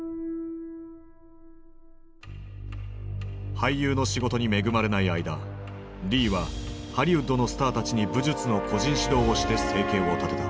俳優の仕事に恵まれない間リーはハリウッドのスターたちに武術の個人指導をして生計を立てた。